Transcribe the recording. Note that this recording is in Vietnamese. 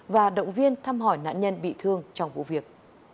và động viên thăm hỏi nạn nhân bị thương trong vụ việc